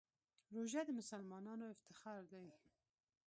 روژه د مسلمانانو افتخار دی.